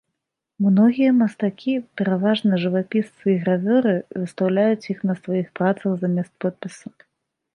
Многія мастакі, пераважна жывапісцы і гравёры, выстаўляюць іх на сваіх працах замест подпісу.